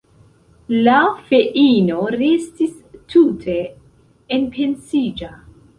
La feino restis tute enpensiĝa.